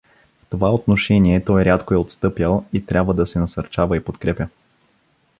В това отношение той рядко е отстъпял и трябва да се насърчава и подкрепя.